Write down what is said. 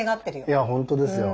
いや本当ですよ